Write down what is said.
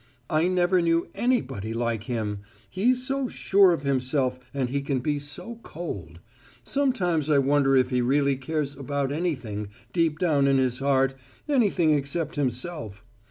I never knew anybody like him; he's so sure of himself and he can be so cold. Sometimes I wonder if he really cares about anything, deep down in his heart anything except himself.